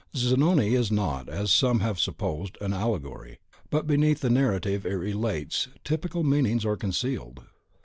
Zanoni is not, as some have supposed, an allegory; but beneath the narrative it relates, TYPICAL meanings are concealed.